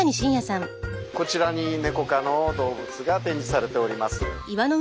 こちらにネコ科の動物が展示されております。